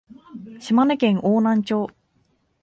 島根県邑南町